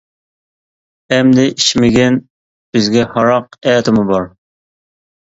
-ئەمدى ئىچمىگىن، بىزگە ھاراق ئەتىمۇ بار.